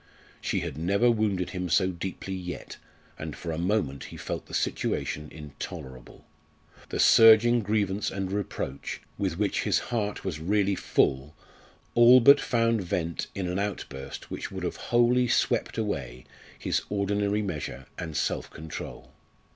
She had never wounded him so deeply yet, and for a moment he felt the situation intolerable; the surging grievance and reproach, with which his heart was really full, all but found vent in an outburst which would have wholly swept away his ordinary measure and self control.